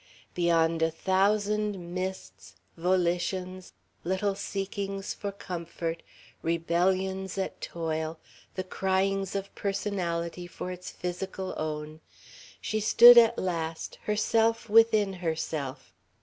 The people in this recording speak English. Beyond a thousand mists, volitions, little seekings for comfort, rebellions at toil, the cryings of personality for its physical own, she stood at last, herself within herself.